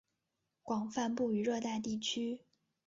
广泛布于热带地区。